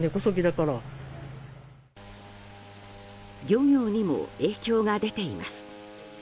漁業にも影響が出ています。